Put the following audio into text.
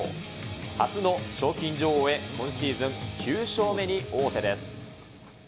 初の賞金女王へ、今シーズン９勝目に王手です。